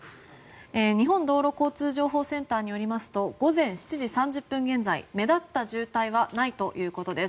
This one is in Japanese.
日本道路交通情報センターによりますと午前７時３０分現在目立った渋滞はないということです。